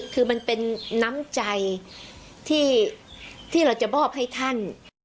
คือมันเป็นน้ำใจที่เราจะมอบให้ท่าน